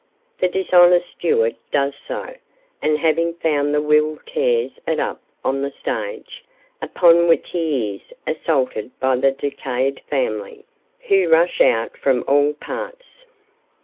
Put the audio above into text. The dishonest steward does so, and having found the will tears it up on the stage, upon which he is assaulted by the decayed family, who rush out from all parts.